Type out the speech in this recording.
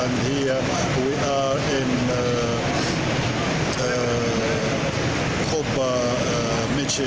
dan di sini kami berada di kuba masjid